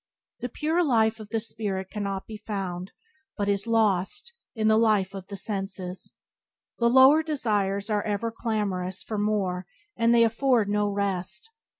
The pure life of the spirit cannot be found; but is lost, in the life of the senses. The lower desires are ever clamorous for more, and they afford no rest.